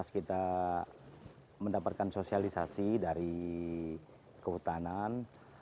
dua ribu tiga belas kita mendapatkan sosialisasi dari kehutanan